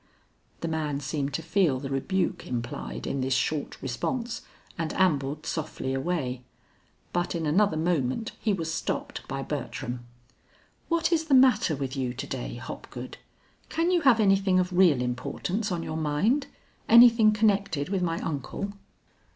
The man seemed to feel the rebuke implied in this short response, and ambled softly away. But in another moment he was stopped by Bertram. "What is the matter with you to day, Hopgood? Can you have anything of real importance on your mind; anything connected with my uncle?"